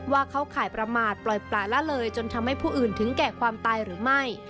เข้าข่ายประมาทปล่อยปลาละเลยจนทำให้ผู้อื่นถึงแก่ความตายหรือไม่